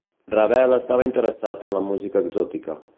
Ravel estava interessat en la música exòtica.